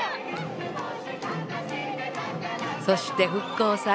そして復興祭。